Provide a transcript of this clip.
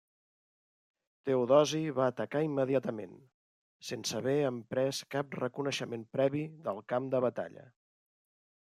Teodosi va atacar immediatament, sense haver emprès cap reconeixement previ del camp de batalla.